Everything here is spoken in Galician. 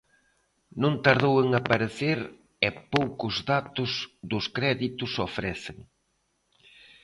Non tardou en aparecer e poucos datos dos créditos ofrecen.